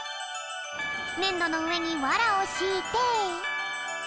ねんどのうえにわらをしいて。